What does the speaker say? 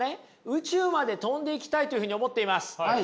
宇宙まで飛んでいきたいというふうに思っています。